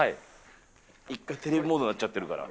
一回、テレビモードになっちゃってるから。